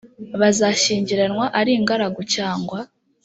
bazashyingiranwa ari ingaragu cyangwa